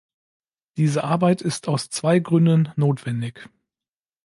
Diese Arbeit ist aus zwei Gründen notwendig.